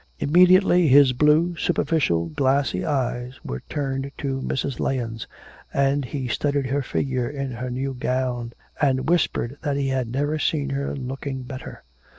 Immediately his blue, superficial, glassy eyes were turned to Mrs. Lahens; and he studied her figure in her new gown, and whispered that he had never seen her looking better.